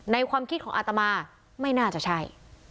ความคิดของอาตมาไม่น่าจะใช่